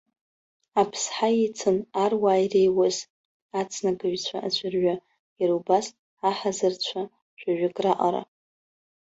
Аԥсҳа ицын аруаа иреиуаз, ицнагаҩцәа аӡәырҩы, иара убас аҳазарцәа жәаҩык раҟара.